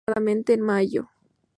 Volvían aproximadamente en mayo.